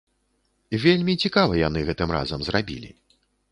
Вельмі цікава яны гэтым разам зрабілі.